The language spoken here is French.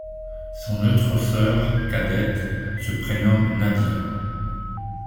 Son autre sœur, cadette, se prénomme Nadia.